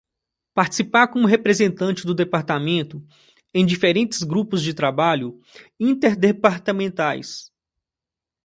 Participar como representante do Departamento em diferentes grupos de trabalho interdepartamentais.